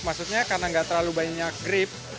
maksudnya karena nggak terlalu banyak grip